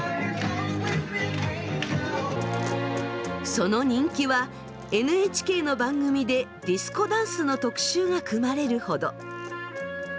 その人気はＮＨＫの番組でディスコダンスの特集が組まれるほど。